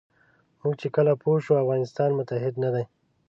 موږ چې کله پوه شو افغانستان متحد نه دی.